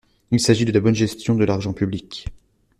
Il s’agit de la bonne gestion de l’argent public.